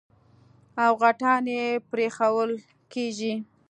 او غټان يې پرېښوول کېږي.